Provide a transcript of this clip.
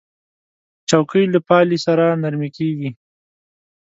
چوکۍ له پالې سره نرمې کېږي.